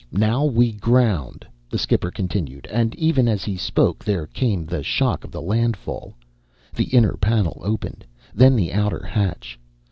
"Now we grround," the skipper continued, and even as he spoke there came the shock of the landfall. The inner panel opened, then the outer hatch.